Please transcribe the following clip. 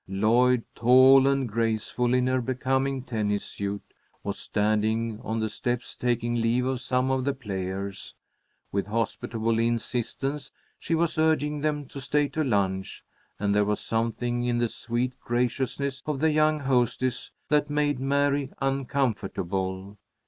Lloyd, tall and graceful in her becoming tennis suit, was standing on the steps taking leave of some of the players. With hospitable insistence she was urging them to stay to lunch, and there was something in the sweet graciousness of the young hostess that made Mary uncomfortable.